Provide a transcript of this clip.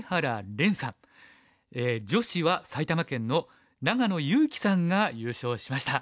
女子は埼玉県の長野優希さんが優勝しました。